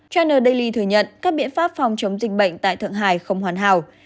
china daily thừa nhận các biện pháp phòng chống dịch bệnh tại thượng hải không hoàn hảo